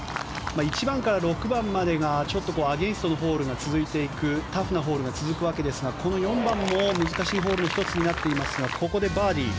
１番から６番までがアゲンストのホールが続いていくタフなホールが続くわけですがこの４番も、難しいホールの１つになっていますがここでバーディー。